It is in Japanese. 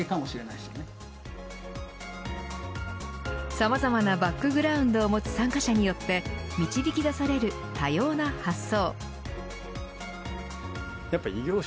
さまざまなバックグラウンドを持つ参加者によって導き出される多様な発想。